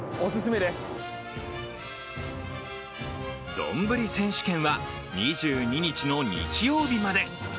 どんぶり選手権は２２日の日曜日まで。